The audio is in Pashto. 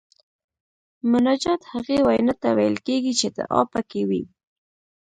مناجات هغې وینا ته ویل کیږي چې دعا پکې وي.